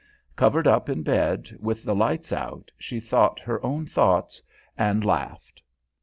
Covered up in bed, with the lights out, she thought her own thoughts, and laughed.